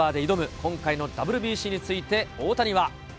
今回のＷＢＣについて、大谷は。